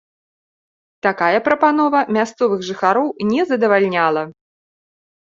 Такая прапанова мясцовых жыхароў не задавальняла.